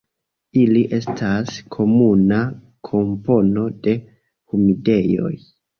Ili estas komuna kompono de humidejoj.